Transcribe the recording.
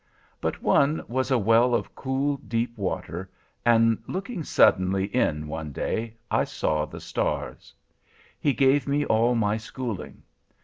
But one was a well of cool, deep water, and looking suddenly in, one day, I saw the stars. He gave me all my schooling.